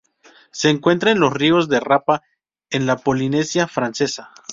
Se encuentra en los ríos de Rapa, en la Polinesia Francesa.